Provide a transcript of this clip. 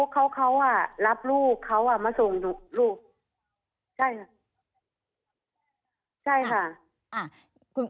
เขาเข้ารับรูปมาส่งรูป